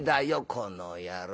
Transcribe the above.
この野郎。